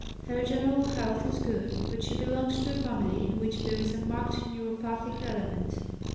Her general health is good, but she belongs to a family in which there is a marked neuropathic element.